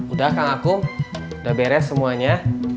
udah kang aku udah beres semuanya